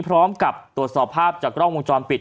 พร้อมกับตรวจสอบภาพจากกล้องวงจรปิด